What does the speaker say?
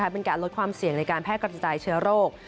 เป็นการลดความเสี่ยงในการแพร่กระจายเชื้อโรค